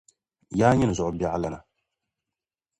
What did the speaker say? Yaa nyini zuɣu biɛɣu lana.